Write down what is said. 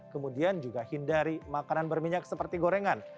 kemudian juga hindari makanan berminyak seperti gorengan